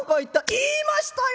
「言いましたよ。